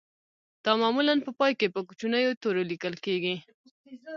دا معمولاً په پای کې په کوچنیو تورو لیکل کیږي